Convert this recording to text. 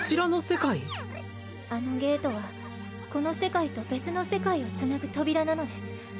あのゲートはこの世界と別の世界をつなぐ扉なのです。